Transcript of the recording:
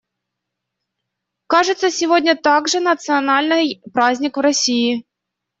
Кажется, сегодня также национальный праздник в России.